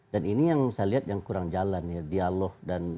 dan ini yang saya lihat yang kurang jalan ya dialog dan